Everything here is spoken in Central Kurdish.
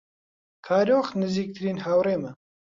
کارۆخ نزیکترین هاوڕێمە.